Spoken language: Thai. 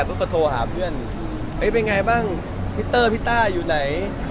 เขาก็โทรหาเพื่อนเป็นไงบ้างพี่เตอร์พี่ต้าอยู่ไหน